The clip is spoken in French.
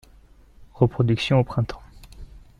Reproduction au printemps.